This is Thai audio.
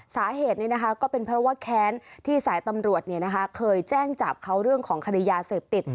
สาเหตุนี้นะคะก็เป็นเพราะว่าแค้นที่สายตำรวจเคยแจ้งจับเขาเรื่องของคดียาเสพติด